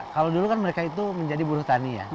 kalau dulu kan mereka itu menjadi buruh tani ya